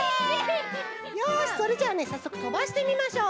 よしそれじゃあねさっそくとばしてみましょう。